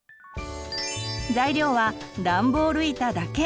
材料はダンボール板だけ！